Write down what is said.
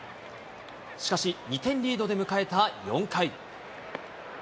しかし、２点リードで迎えた４回。